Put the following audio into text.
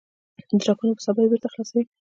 د ټاکنو په سبا یې بېرته خلاصوي.